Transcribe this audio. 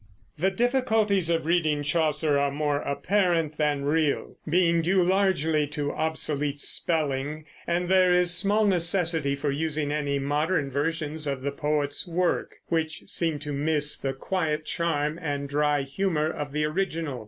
The difficulties of reading Chaucer are more apparent than real, being due largely to obsolete spelling, and there is small necessity for using any modern versions of the poet's work, which seem to miss the quiet charm and dry humor of the original.